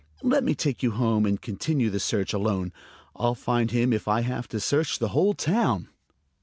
Let me take you home and continue the search alone. I'll find him if I have to search the whole town."